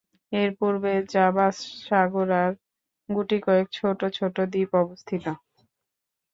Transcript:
এর পূর্বে জাভা সাগর আর গুটিকয়েক ছোট ছোট দ্বীপ অবস্থিত।